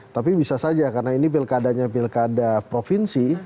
tapi bisa saja karena ini pilkadanya pilkada provinsi